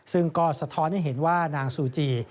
ซึ่งก็สะท้อนให้เห็นว่านางซูจี